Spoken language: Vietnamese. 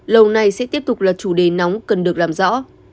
lâu nay sẽ tiếp tục là chủ đề nóng cần được làm rõ